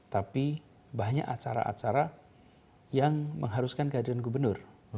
tapi banyak acara acara yang mengharuskan kehadiran gubernur